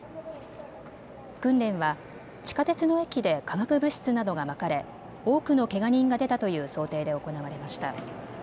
訓練は地下鉄の駅で化学物質などがまかれ多くのけが人が出たという想定で行われました。